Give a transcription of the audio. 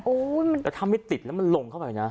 โอ้โหมันทำไม่ติดแล้วมันลงเข้าไปเนี่ย